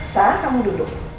sam kamu duduk